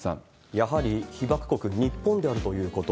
やはり被爆国、日本であるということ。